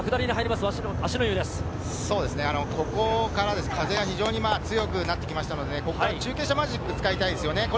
ここから風が非常に強くなってきましたので、中継車マジック使いたいですね。